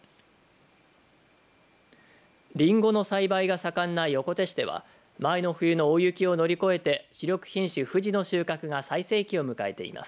りんごの栽培が盛んな横手市では前の冬の大雪を乗り越えて主力品種ふじの収穫が最盛期を迎えています。